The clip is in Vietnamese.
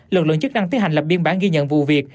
lực lượng chức năng tiến hành lập biên bản ghi nhận vụ việc